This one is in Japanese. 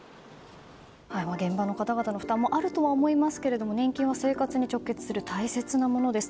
現場の方々の負担もあるかと思いますが年金は生活に直結する大切なものです。